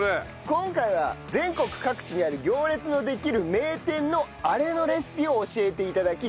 今回は全国各地にある行列のできる名店のアレのレシピを教えて頂き